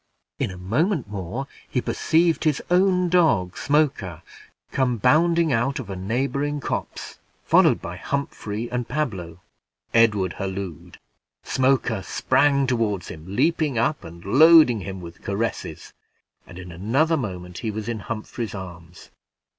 In a moment more, he perceived his own dog, Smoker, come bounding out of a neighboring copse, followed by Humphrey and Pablo. Edward hallooed. Smoker sprung toward him, leaping up, and loading him with caresses, and in another moment he was in Humphrey's arms.